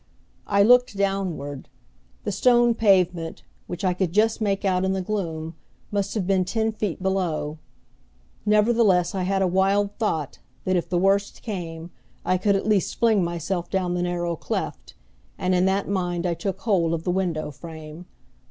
I looked downward. The stone pavement, which I could just make out in the gloom, must have been ten feet below. Nevertheless I had a wild thought that, if the worst came, I could at least fling myself down the narrow cleft; and in that mind I took hold of the window frame.